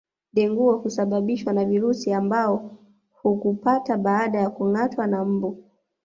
Dengua husababishwa na virusi ambao hukupata baada ya kungâatwa na mbu